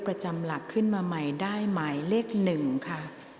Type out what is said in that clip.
ประจำหลักขึ้นมาใหม่ได้หมายเลข๑ค่ะ